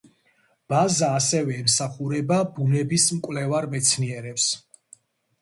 ბაზა ასევე ემსახურება ბუნების მკვლევარ მეცნიერებს.